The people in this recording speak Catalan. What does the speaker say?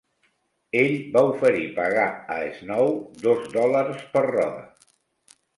Ell va oferir pagar a Snow dos dòlars per roda.